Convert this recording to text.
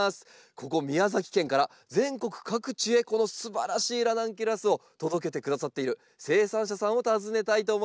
ここ宮崎県から全国各地へこのすばらしいラナンキュラスを届けてくださっている生産者さんを訪ねたいと思います。